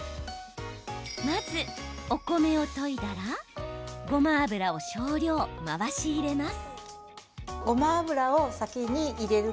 まず、お米をといだらごま油を少量、回し入れます。